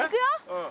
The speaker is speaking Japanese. うん。